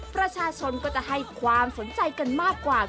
ประชาชนก็จะให้ความสนใจกันมากกว่า